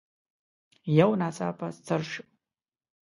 يو ناڅاپه څررر شو.